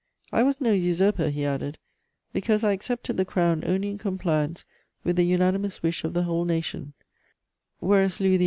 "I was no usurper," he added, "because I accepted the crown only in compliance with the unanimous wish of the whole nation, whereas Louis XVIII.